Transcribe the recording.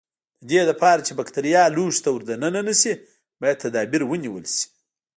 د دې لپاره چې بکټریا لوښي ته ور دننه نشي باید تدابیر ونیول شي.